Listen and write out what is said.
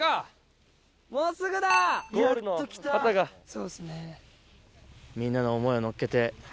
そうですね。